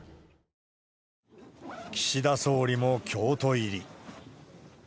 岸田総理も京都入り。